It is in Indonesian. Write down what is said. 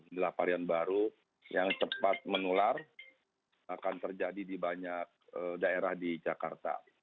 inilah varian baru yang cepat menular akan terjadi di banyak daerah di jakarta